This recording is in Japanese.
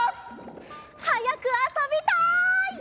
はやくあそびたい！